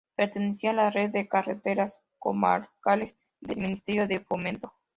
Pertenecía a la Red de Carreteras Comarcales del Ministerio de Fomento.